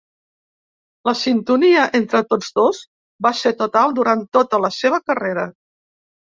La sintonia entre tots dos va ser total durant tota la seva carrera.